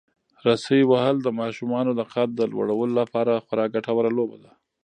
رسۍ وهل د ماشومانو د قد د لوړولو لپاره خورا ګټوره لوبه ده.